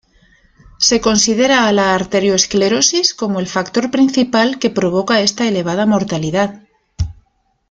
Se considera a la arterioesclerosis como el factor principal que provoca esta elevada mortalidad.